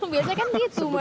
biasanya kan gitu mas